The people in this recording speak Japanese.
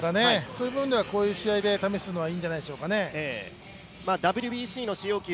そういう部分ではこういう試合で試すのはいいんじゃないかと思います。